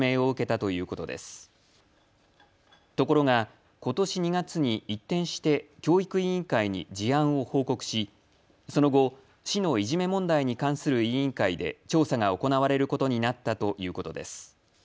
ところが、ことし２月に一転して教育委員会に事案を報告しその後、市のいじめ問題に関する委員会で調査が行われることになったということです。